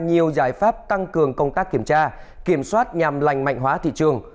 nhiều giải pháp tăng cường công tác kiểm tra kiểm soát nhằm lành mạnh hóa thị trường